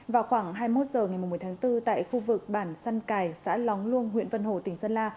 vào khoảng hai mươi một h ngày một mươi tháng bốn tại khu vực bản săn cài xã lóng luông huyện vân hồ tỉnh sơn la